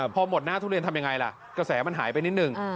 พอหมดหน้าทุเรียนทำยังไงล่ะกระแสมันหายไปนิดนึง